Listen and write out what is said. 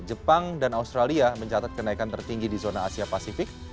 jepang dan australia mencatat kenaikan tertinggi di zona asia pasifik